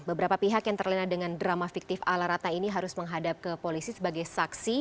beberapa pihak yang terlena dengan drama fiktif ala rata ini harus menghadap ke polisi sebagai saksi